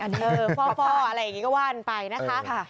เออฟ่ออะไรอย่างนี้ก็ว่ากันไปนะคะ